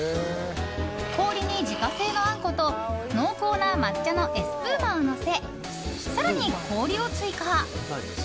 氷に自家製のあんこと濃厚な抹茶のエスプーマをのせ更に氷を追加。